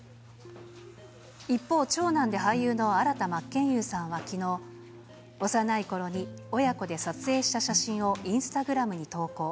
一方、長男で俳優の新田真剣佑さんはきのう、幼いころに親子で撮影した写真をインスタグラムに投稿。